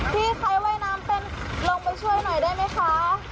พี่ใครว่ายน้ำเป็นลงไปช่วยหน่อยได้ไหมคะ